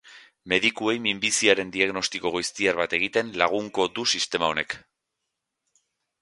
Medikuei minbiziaren diagnostiko goiztiar bat egiten lagunko du sistema honek.